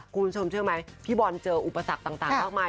คุณผู้ชมเชื่อไหมพี่บอลเจออุปสรรคต่างมากมาย